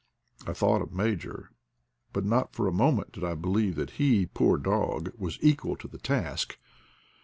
I thought of Major, but not for a moment did I believe that he, poor dog! was equal to the task.